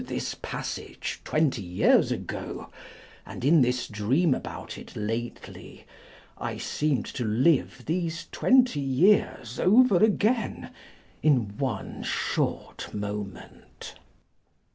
29 this passage twenty years ago ; and in this dream about it lately, I seemed to live these twenty years over again in one short moment